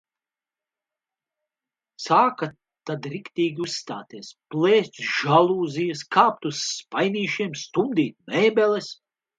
Sāka tad riktīgi uzstāties – plēst žalūzijas, kāpt uz spainīšiem, stumdīt mēbeles.